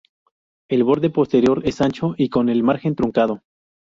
El borde posterior es ancho y con el margen truncado.